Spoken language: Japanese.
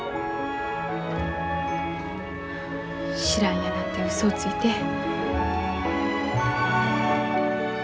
知らんやなんてうそをついて。